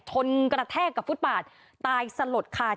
กระแทกกับฟุตปาดตายสลดค่ะ